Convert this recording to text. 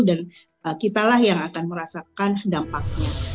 dan kitalah yang akan merasakan dampaknya